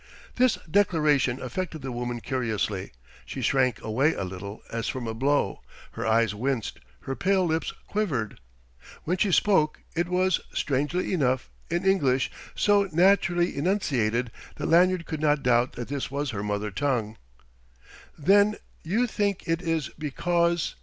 This declaration affected the woman curiously; she shrank away a little, as from a blow, her eyes winced, her pale lips quivered. When she spoke, it was, strangely enough, in English so naturally enunciated that Lanyard could not doubt that this was her mother tongue. "Then you think it is because...."